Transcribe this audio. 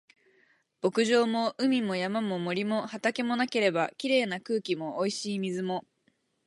牧場も海も山も森も畑もなければ、綺麗な空気も美味しい水も